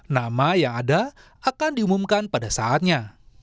nama yang ada akan diumumkan pada saatnya